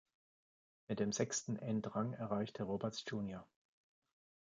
Mit dem sechsten Endrang erreichte Roberts jr.